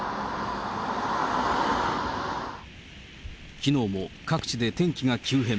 きのうも各地で天気が急変。